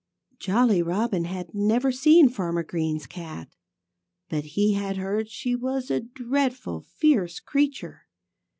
Jolly Robin had never seen Farmer Green's cat. But he had heard that she was a dreadful, fierce creature.